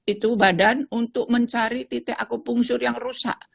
itu badan untuk mencari titik akupungsur yang rusak